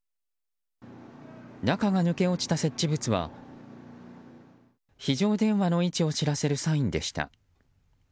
中が抜け落ちた設置物は非常電話の位置を知らせるサインでした。